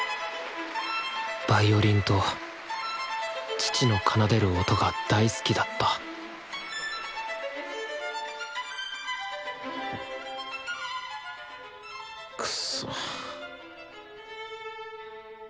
ヴァイオリンと父の奏でる音が大好きだったくそっ。